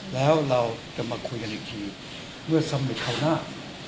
แล้วเราจะมาคุยกันอีกทีเมื่อสมัยคราวหน้า